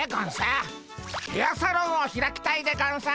ヘアサロンを開きたいでゴンス。